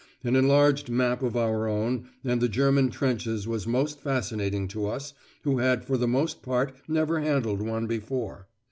An enlarged map of our own and the German trenches was most fascinating to us who had for the most part never handled one before.